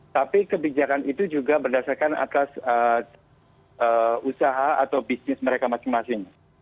tapi kebijakan itu juga berdasarkan atas usaha atau bisnis mereka masing masing